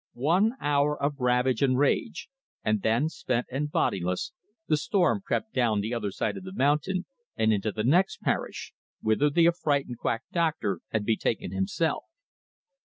One hour of ravage and rage, and then, spent and bodiless, the storm crept down the other side of the mountain and into the next parish, whither the affrighted quack doctor had betaken himself.